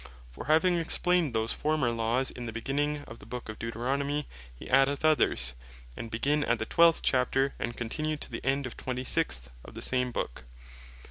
For having explained those former Laws, in the beginning of the Book of Deuteronomy, he addeth others, that begin at the 12. Cha. and continue to the end of the 26. of the same Book.